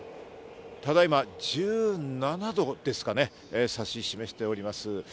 ただいま１７度ですかね、さし示しております。